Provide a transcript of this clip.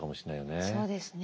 そうですね。